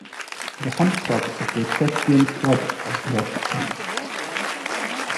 The Hunt Club is the equestrian club of Grosse Pointe.